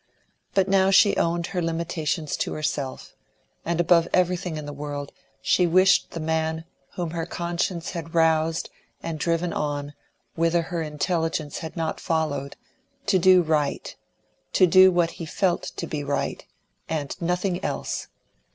But now she owned her limitations to herself, and above everything in the world she wished the man whom her conscience had roused and driven on whither her intelligence had not followed, to do right, to do what he felt to be right, and nothing else.